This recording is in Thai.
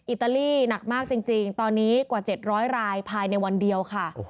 อิตาลีหนักมากจริงตอนนี้กว่า๗๐๐รายภายในวันเดียวค่ะ